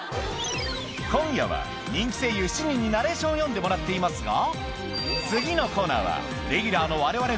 今夜は人気声優７人にナレーションを読んでもらっていますが次のコーナーはレギュラーのわれわれ２人がナレーション